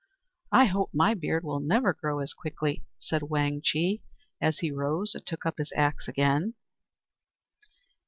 "I hope my beard will never grow as quickly," said Wang Chih, as he rose and took up his axe again.